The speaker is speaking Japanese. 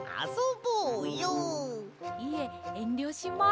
いええんりょします。